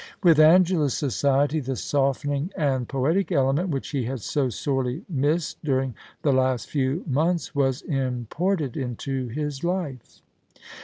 With Angela's society the softening and poetic element, which he had so sorely missed during the last few months, was imported into his life.